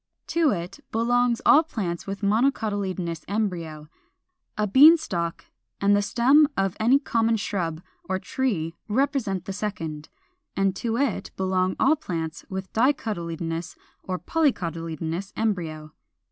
To it belong all plants with monocotyledonous embryo (40). A Bean stalk and the stem of any common shrub or tree represent the second; and to it belong all plants with dicotyledonous or polycotyledonous embryo.